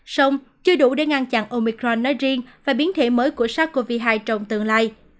xong chưa đủ để ngăn chặn omicron nói riêng và biến thể mới của sars cov hai trong tương lai